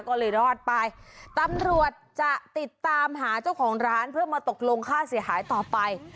ก็เลยรอดไปตำรวจจะติดตามหาเจ้าของร้านเพื่อมาตกลงค่าเสียหายต่อไป